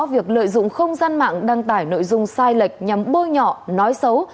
việc lợi dụng không gian mạng đăng tải nội dung sai lệch nhằm bơi nhỏ nói xấu